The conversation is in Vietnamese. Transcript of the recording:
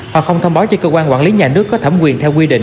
hoặc không thông báo cho cơ quan quản lý nhà nước có thẩm quyền theo quy định